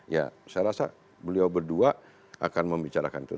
ya saya rasa beliau berdua akan membicarakan itu